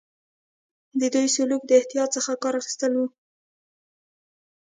د دوی سلوک د احتیاط څخه کار اخیستل وو.